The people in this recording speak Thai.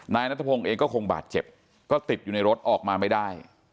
นายนัทพงศ์เองก็คงบาดเจ็บก็ติดอยู่ในรถออกมาไม่ได้